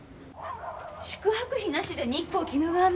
宿泊費なしで日光鬼怒川まで？